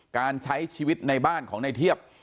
การใช้ชีวิตในบ้านของในเทียบ